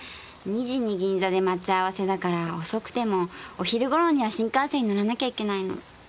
２時に銀座で待ち合わせだから遅くてもお昼頃には新幹線に乗らなきゃいけないの。